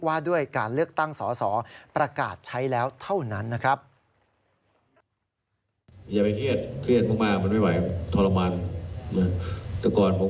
ว่าด้วยการเลือกตั้งสอสอประกาศใช้แล้วเท่านั้นนะครับ